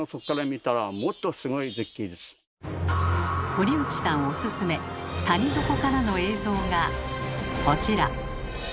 堀内さんおすすめ谷底からの映像がこちら。